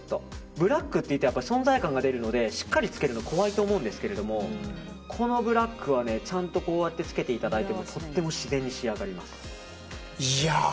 ブラックというと存在感が出るのでしっかりつけるの怖いと思うんですけどこのブラックはちゃんとこうやってつけていただいてもとても自然に仕上がります。